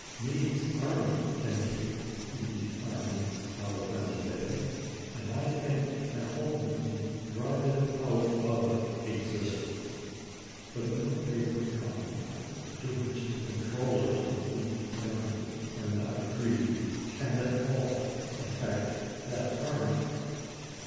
Meade's army can keep Lee's army out of Pennsylvania, and I think can ultimately drive it out of existence. But no paper compromise to which the controllers of Lee's army are not agreed can at all affect that army.